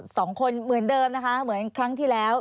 สองคนเหมือนเดิมนะคะเหมือนครั้งที่แล้ว